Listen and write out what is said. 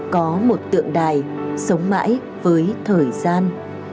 có một tượng đài sống mãi với thời gian